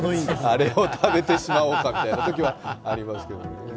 あれを食べてしまおうかみたいなことはありますけどね。